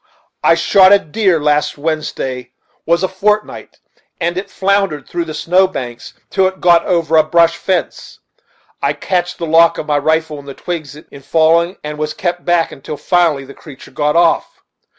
I shot a deer, last Wednesday was a fort night, and it floundered through the snow banks till it got over a brush fence; I catched the lock of my rifle in the twigs in following, and was kept back, until finally the creature got off.